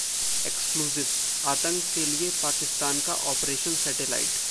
Exclusive: आतंक के लिए पाकिस्तान का "ऑपरेशन सेटेलाइट"